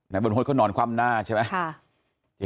นายบรรพจน์ก็นอนความหน้าใช่ไหม